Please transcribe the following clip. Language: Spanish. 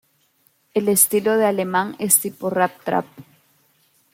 El estilo de Alemán es tipo Rap Trap.